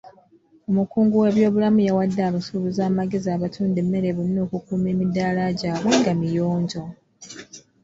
Omukungu w'ebyobulamu yawadde abasuubuzi amagezi abatunda emmere bonna okukuuma emidaala gyabwe nga miyonjo.